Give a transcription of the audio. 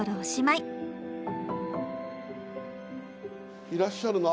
いらっしゃるの？